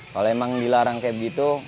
kalau emang dilarang kayak gitu